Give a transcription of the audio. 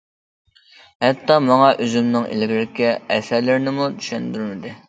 ھەتتا ماڭا ئۆزۈمنىڭ ئىلگىرىكى ئەسەرلىرىمنىمۇ چۈشەندۈردى.